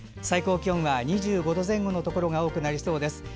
最高気温は２５度前後のところが多くなりそうです。